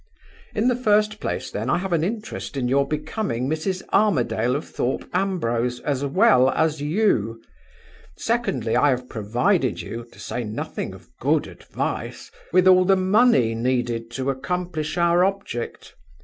"In the first place, then, I have an interest in your becoming Mrs. Armadale of Thorpe Ambrose as well as you. Secondly, I have provided you (to say nothing of good advice) with all the money needed to accomplish our object.